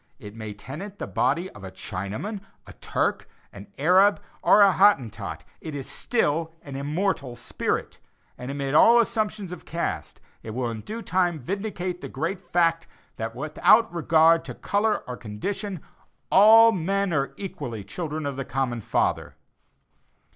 It may tenant the body of a Chinaman, a Turk, an Arab or a Hottentot it is still an immortal spirit; and amid all assumptions of caste, it will in due time vindicate the great fact that, without regard to color or condition, all men are equally children of the common Father.